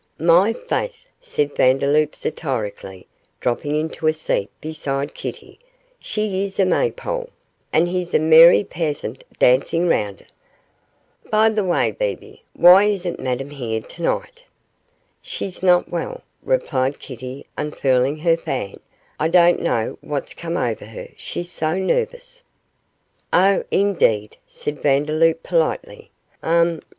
'My faith!' said Vandeloup, satirically, dropping into a seat beside Kitty, 'she is a maypole, and he's a merry peasant dancing round it. By the way, Bebe, why isn't Madame here to night?' 'She's not well,' replied Kitty, unfurling her fan; 'I don't know what's come over her, she's so nervous.' 'Oh! indeed,' said Vandeloup, politely; 'Hum!